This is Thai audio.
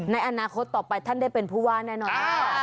ในอนาคตต่อไปท่านได้เป็นผู้ว่าแน่นอน